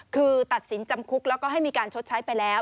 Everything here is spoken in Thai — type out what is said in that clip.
คือตัดสินจำคุกแล้วก็ให้มีการชดใช้ไปแล้ว